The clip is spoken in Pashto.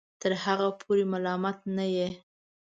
تر هغه پورې ملامت نه یې